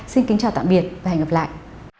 xin kính chào tạm biệt và hẹn gặp lại